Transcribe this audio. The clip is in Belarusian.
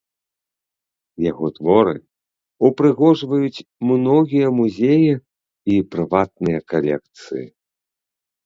Яго творы ўпрыгожваюць многія музеі і прыватныя калекцыі.